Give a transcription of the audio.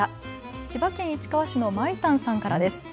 千葉県市川市のまいたんさんからです。